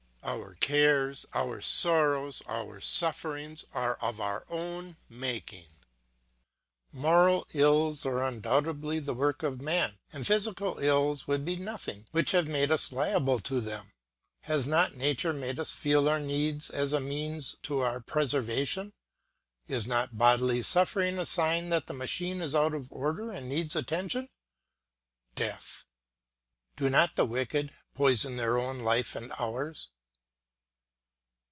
Our cares, our sorrows, our sufferings are of our own making. Moral ills are undoubtedly the work of man, and physical ills would be nothing but for our vices which have made us liable to them. Has not nature made us feel our needs as a means to our preservation! Is not bodily suffering a sign that the machine is out of order and needs attention? Death.... Do not the wicked poison their own life and ours?